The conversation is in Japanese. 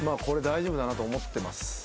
これ大丈夫だなと思ってます